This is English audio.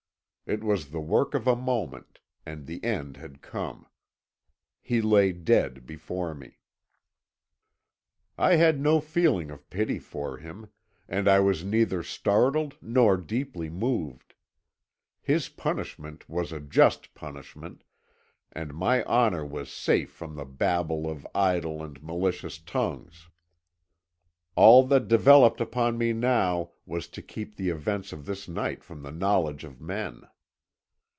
It was the work of a moment, and the end had come. He lay dead before me. "I had no feeling of pity for him, and I was neither startled nor deeply moved. His punishment was a just punishment, and my honour was safe from the babble of idle and malicious tongues. All that devolved upon me now was to keep the events of this night from the knowledge of men.